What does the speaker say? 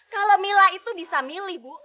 kalau mila itu bisa milih bu